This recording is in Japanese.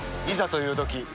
いざというとき